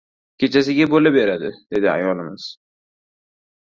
— Kechasiga bo‘la beradi, — dedi ayolimiz.